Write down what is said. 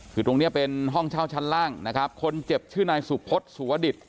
คือตรงเนี้ยเป็นห้องเช่าชั้นล่างนะครับคนเจ็บชื่อนายสุพศสุวดิต